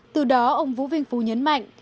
từ đó ông vũ vinh phú nhấn mạnh